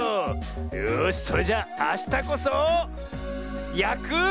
よしそれじゃあしたこそやく。